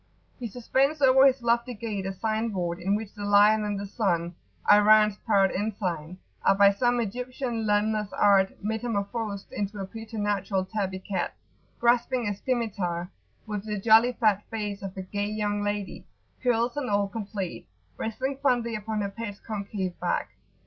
He suspends over his lofty gate a sign board in which the Lion and the Sun (Iran's proud ensign) are by some Egyptian limner's art metamorphosed into a preternatural tabby cat grasping a scimitar, with the jolly fat face of a "gay" young lady, curls and all complete, resting fondly upon her pet's concave back.